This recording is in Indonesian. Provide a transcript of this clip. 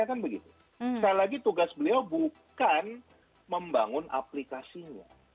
sekali lagi tugas beliau bukan membangun aplikasinya